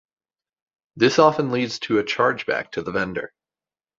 This often leads to a chargeback to the vendor.